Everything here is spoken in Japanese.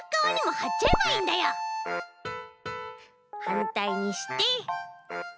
はんたいにして。